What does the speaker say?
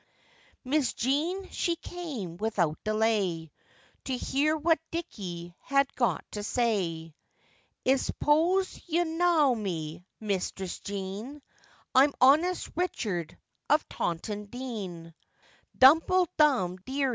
Miss Jean she came without delay, To hear what Dicky had got to say; 'I s'pose you knaw me, mistress Jean, I'm honest Richard of Taunton Dean.